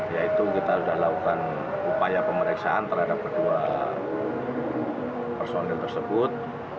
yaitu kita sudah lakukan upaya pemeriksaan terhadap kedua personil tersebut